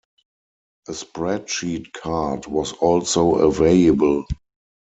A spreadsheet card was also available.